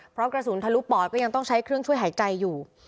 เพราะกระสุนทะลุปอดก็ยังต้องใช้เครื่องช่วยหายใจอยู่